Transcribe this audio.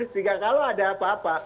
sehingga kalau ada apa apa